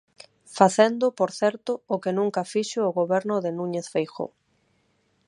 Facendo, por certo, o que nunca fixo o Goberno de Núñez Feijóo.